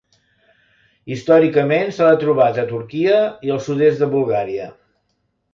Històricament se l'ha trobat a Turquia i al sud-est de Bulgària.